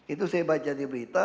itu saya baca di berita